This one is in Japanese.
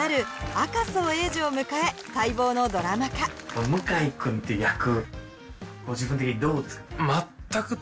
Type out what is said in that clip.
この向井くんって役ご自分的にどうですか？